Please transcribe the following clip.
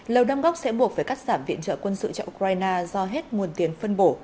lầu đâm góc sẽ buộc phải cắt giảm viện trợ quân sự cho ukraine do hết nguồn tiền phân bổ